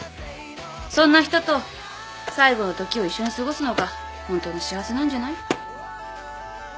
そんな人と最期の時を一緒に過ごすのがホントの幸せなんじゃない？